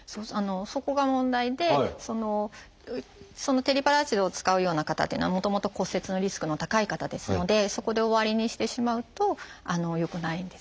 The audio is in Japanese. そこが問題でテリパラチドを使うような方というのはもともと骨折のリスクの高い方ですのでそこで終わりにしてしまうとよくないんですよね。